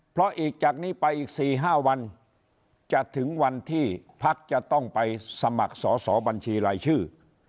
เพราะอีกจากนี้ไปอีก๔๕วันจะถึงวันที่พักจะต้องไปสมัครสอสอบัญชีรายชื่อ